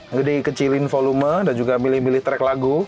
kalau di kecilin volume dan juga pilih pilih track lagu